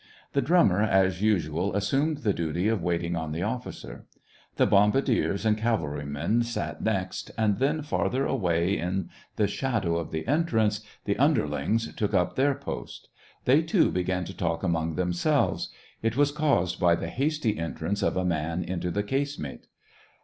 The drummer, as usual, assumed the duty of waiting on the officer. The bombardiers and cavalrymen sat next, and then farther away, in the shadow of the entrance, the underlings took up their post. They too began to talk among them selves. It was caused by the hasty entrance of a man into the casemate.